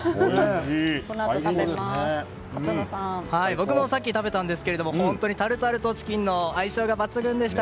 僕もさっき食べたんですけど本当にタルタルとチキンの相性が抜群でした。